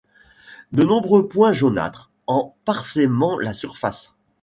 De nombreux points jaunâtres en parsèment la surface.